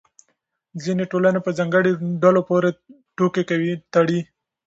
ځینې ټولنې په ځانګړو ډلو پورې ټوکې تړي.